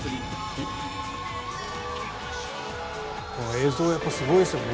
映像がすごいですよね。